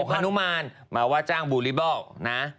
๖หนุมารมาวาดจ้างบูริบอกนะ